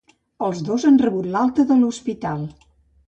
Els dos han rebut l'alta de l'hospital.